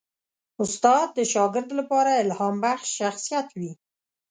استاد د شاګرد لپاره الهامبخش شخصیت وي.